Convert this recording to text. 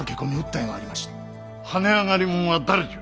跳ね上がり者は誰じゃ！？